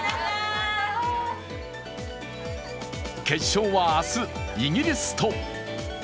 決勝は明日、イギリスと。